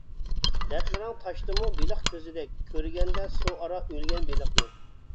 دەردلىرىڭ تاشتىمۇ بېلىق كۆزىدەك، كۆرگەندە سۇ ئارا ئۆلگەن بېلىقنى.